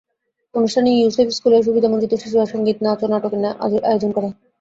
অনুষ্ঠানে ইউসেপ স্কুলের সুবিধাবঞ্চিত শিশুরা সংগীত, নাচ ও নাটকের আয়োজন করে।